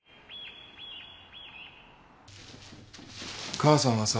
母さんはさ。